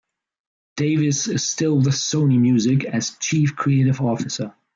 Davis is still with Sony Music as Chief Creative Officer.